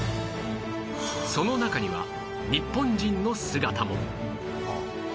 その中には日本人の姿も